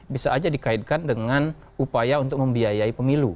bisa aja dikaitkan dengan upaya untuk membiayai pemilu